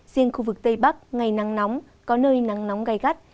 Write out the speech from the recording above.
riêng khu vực tây bắc ngày nắng nóng có nơi nắng nóng gai gắt